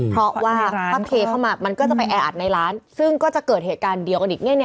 เพราะว่าถ้าเทเข้ามามันก็จะไปแออัดในร้านซึ่งก็จะเกิดเหตุการณ์เดียวกันอีก